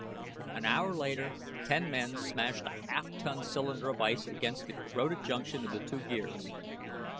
An hour later ten men smashed a half ton cylinder of ice against the corroded junction of the two gears.